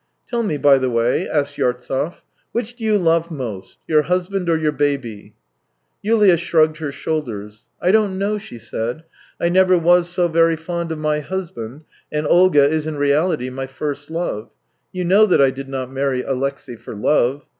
" Tell me, by the way," asked Yartsev: " which do you love most — your husband or your baby ?" Yulia shrugged her shoulders. " I don't know," she said. " I never was so very fond of my husband, and Olga is in reality my first love. You know that I did not marry Alexey for love.